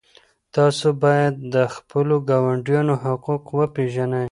تاسو باید د خپلو ګاونډیانو حقوق وپېژنئ.